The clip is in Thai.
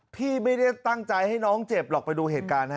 พี่ไม่ได้ตั้งใจให้น้องเจ็บหรอกไปดูเหตุการณ์ฮะ